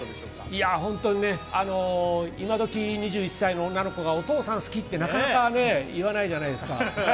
今どき、２１歳の女の子がお父さん好きって、なかなか言わないじゃないですか。